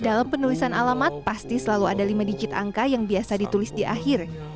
dalam penulisan alamat pasti selalu ada lima digit angka yang biasa ditulis di akhir